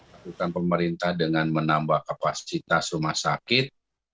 lakukan pemerintah dengan menambah kapasitas rumah sakit